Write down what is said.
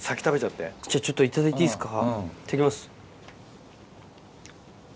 じゃあちょっといただいていいっすか。